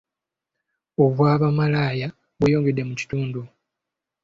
Obwamalaaya bweyongedde mu kitundu.